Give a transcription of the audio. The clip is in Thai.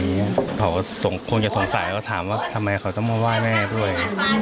เขาก็คงจะสงสัยเขาถามว่าทำไมเขาต้องมาไหว้แม่ด้วย